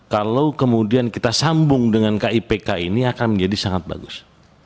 kalau kemudian kita sambung dengan kipk ini akan menjadi sangat bagus